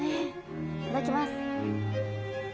いただきます。